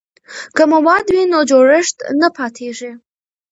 که مواد وي نو جوړښت نه پاتیږي.